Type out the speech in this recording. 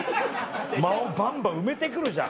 間をバンバン埋めて来るじゃん。